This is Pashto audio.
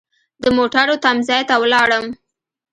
د موټرو تم ځای ته ولاړم.